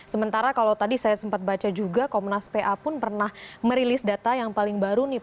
sementara kalau tadi saya sempat baca juga komnas pa pun pernah merilis data yang paling baru nih